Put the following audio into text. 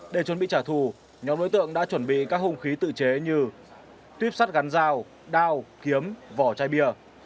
để chuẩn bị trả thù nhóm đối tượng đã chuẩn bị các hung khí tự chế như tuyếp sắt gắn dao đao kiếm vỏ chai bia